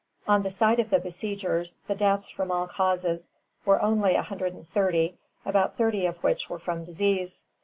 On the side of the besiegers, the deaths from all causes were only a hundred and thirty, about thirty of which were from disease.